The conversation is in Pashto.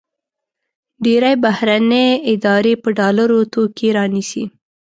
ډېری بهرني ادارې په ډالرو توکي رانیسي.